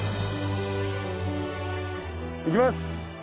行きます！